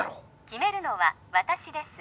決めるのは私です